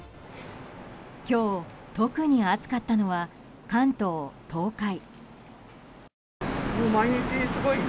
今日、特に暑かったのは関東・東海。